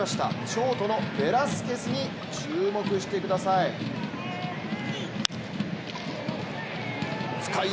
ショートのベラスケスに注目してください。